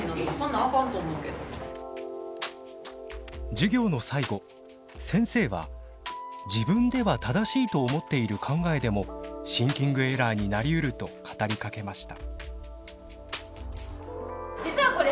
授業の最後先生は自分では正しいと思っている考えでもシンキングエラーになりうると語りかけました。